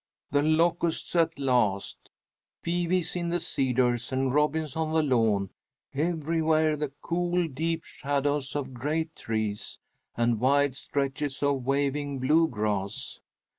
"The Locusts" at last. Pewees in the cedars and robins on the lawn; everywhere the cool deep shadows of great trees, and wide stretches of waving blue grass.